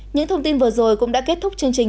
những thông tin vừa rồi cũng đã kết thúc chương trình